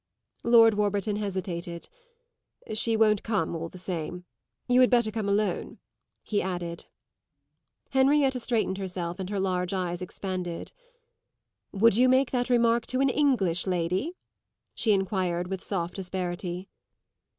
Lord Warburton hesitated. "She won't come, all the same. You had better come alone," he added. Henrietta straightened herself, and her large eyes expanded. "Would you make that remark to an English lady?" she enquired with soft asperity.